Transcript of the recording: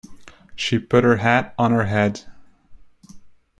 She put her hat on her head.